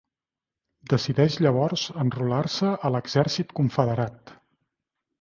Decideix llavors enrolar-se a l'exèrcit confederat.